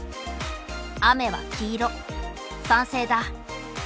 雨は黄色酸性だ。